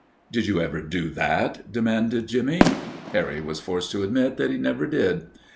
"Did you ever do that?" demanded Jimmie. Harry was forced to admit that he never did.